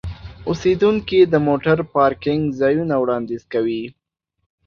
اوسیدونکي د موټر پارکینګ ځایونه وړاندیز کوي.